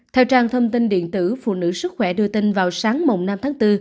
theo trang thông tin điện tử phụ nữ sức khỏe đưa tin vào sáng năm tháng bốn